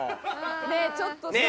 ねぇちょっとさ。